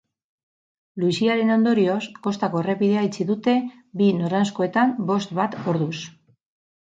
Luiziaren ondorioz, kostako errepidea itxi dute bi noranzkoetan bost bat orduz.